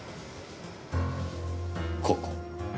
ここ。